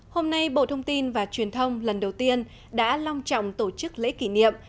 hôm nay bộ thông tin và truyền thông lần đầu tiên đã long trọng tổ chức lễ kỷ niệm